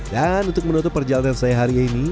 dan untuk menutup perjalanan saya hari ini